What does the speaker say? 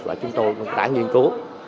và chúng tôi đã nghiên cứu